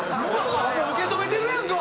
受け止めてるやんか！